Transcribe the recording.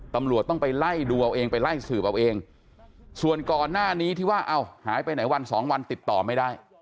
ตำรวจต้องไปไล่ดูเอาเองไปไล่สืบเอาเองส่วนก่อนหน้านี้ที่ว่าเอาหายไปไหนวันสองวันติดต่อไม่ได้